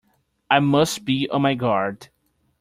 I must be on my guard!